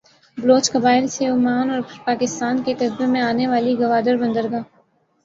بلوچ قبائل سے عمان اور پھر پاکستان کے قبضے میں آنے والی گوادربندرگاہ